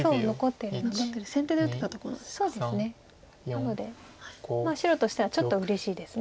なので白としてはちょっとうれしいです